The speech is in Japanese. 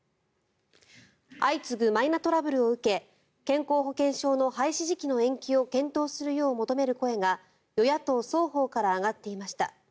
相次ぐマイナトラブルを受け健康保険証の廃止時期の延期を検討するよう求める声が与野党双方から上がっていました。